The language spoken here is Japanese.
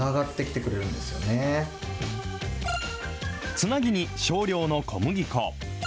つなぎに少量の小麦粉。